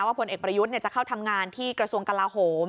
ผลเอกประยุทธ์จะเข้าทำงานที่กระทรวงกลาโหม